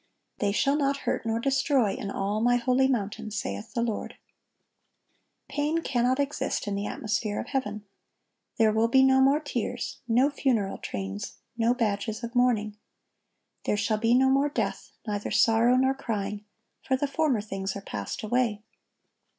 "They shall not hurt nor destroy in all My holy mountain,"(1183) saith the Lord. Pain cannot exist in the atmosphere of heaven. There will be no more tears, no funeral trains, no badges of mourning. "There shall be no more death, neither sorrow, nor crying, ... for the former things are passed away."